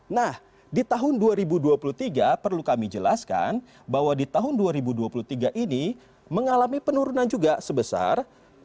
nah di tahun dua ribu dua puluh tiga perlu kami jelaskan bahwa di tahun dua ribu dua puluh tiga ini mengalami penurunan juga sebesar